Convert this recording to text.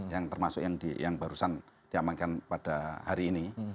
yang termasuk yang barusan diamankan pada hari ini